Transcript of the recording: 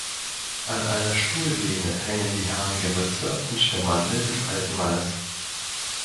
An einer Stuhllehne hängen die haarige Mütze und der Mantel des alten Mannes.